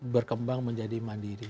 berkembang menjadi mandiri